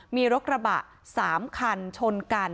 มีรถกระบะ๓คันชนกัน